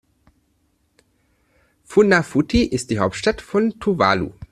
Funafuti ist die Hauptstadt von Tuvalu.